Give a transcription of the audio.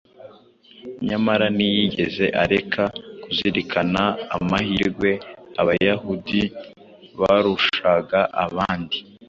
nyamara ntiyigeze areka kuzirikana amahirwe Abayahudi barushaga abandi,